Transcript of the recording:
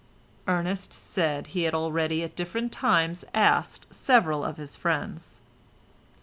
Ernest said he had already at different times asked several of his friends.